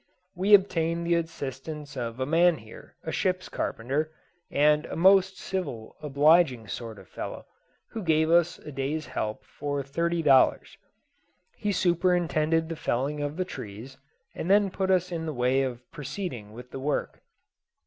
We obtained the assistance of a man here, a ship's carpenter, and a most civil obliging sort of fellow, who gave us a day's help for thirty dollars. He superintended the felling of the trees, and then put us in the way of proceeding with the work.